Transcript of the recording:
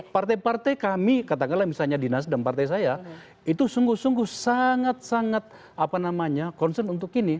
partai partai kami katakanlah misalnya di nasdem partai saya itu sungguh sungguh sangat sangat concern untuk ini